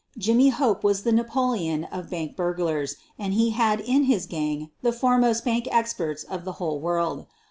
Jimmy Hope was the Na poleon of bank burglars, and he had in his gang the foremost bank experts of the whole world.